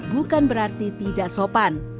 bukan berarti tidak sopan